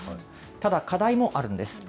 ただ、課題もあるんです。